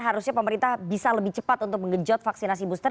harusnya pemerintah bisa lebih cepat untuk mengejot vaksinasi booster